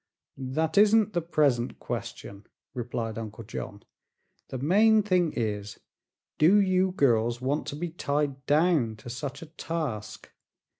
"That isn't the present question," replied Uncle John. "The main thing is, do you girls want to be tied down to such a task?